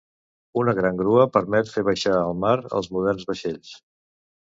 Una gran grua permet fer baixar al mar els moderns vaixells